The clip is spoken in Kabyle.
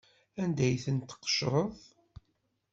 Anda ay ten-tesqecreḍ?